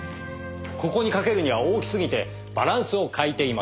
ここに掛けるには大きすぎてバランスを欠いています。